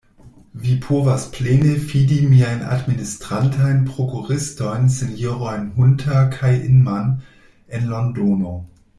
Vi povas plene fidi miajn administrantajn prokuristojn, sinjorojn Hunter kaj Inman en Londono.